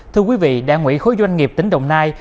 thưa quý vị đảng ủy khối doanh nghiệp tỉnh đồng nai